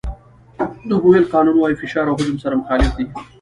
د بویل قانون وایي فشار او حجم سره مخالف دي.